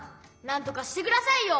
なんとかしてくださいよ！